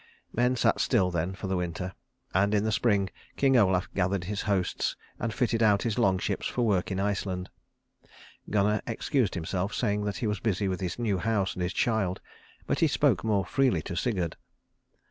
Men sat still then for the winter, and in the spring King Olaf gathered his hosts and fitted out his long ships for work in Iceland. Gunnar excused himself, saying that he was busy with his new house and his child; but he spoke more freely to Sigurd.